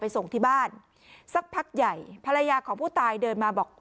ส่งที่บ้านสักพักใหญ่ภรรยาของผู้ตายเดินมาบอก